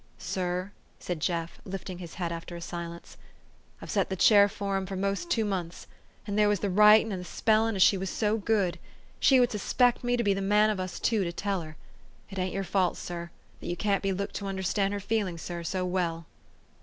" Sir," said Jeff, lifting his head after a silence, " I've set the chair for 'em for most two months ; and there was the writin' and the spellin' as she was THE STORY OF AVIS. 439 so good. She would suspect me to be the man of us two to tell her. It ain't your fault, sir, that you can't be looked to understand her feelin', sir, so well."